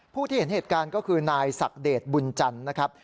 ผู้ที่เห็นเหตุการณ์ก็คือนายศักดิ์เดชบุญจันทร์นะครับ